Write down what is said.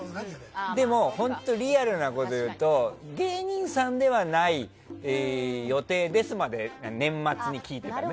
でも本当、リアルなことを言うと芸人さんではない予定です、まで年末に聞いてたよね。